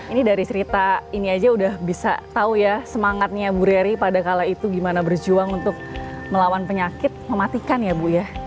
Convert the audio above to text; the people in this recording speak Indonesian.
ini dari cerita ini aja udah bisa tahu ya semangatnya bu rery pada kala itu gimana berjuang untuk melawan penyakit mematikan ya bu ya